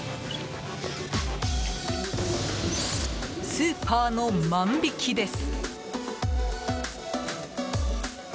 スーパーの万引きです。